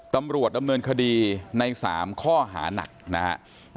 ตำรวจดำเนินคดีใน๓ข้อหานักนะครับ